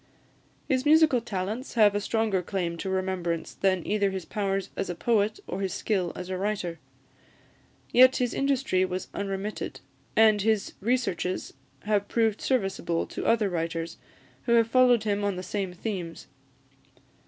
His musical talents have a stronger claim to remembrance than either his powers as a poet or his skill as a writer. Yet his industry was unremitted, and his researches have proved serviceable to other writers who have followed him on the same themes.